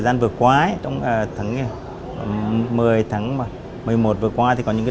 rất là đáng quan ngại